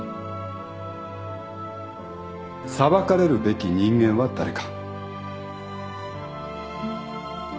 裁かれるべき人間は誰か。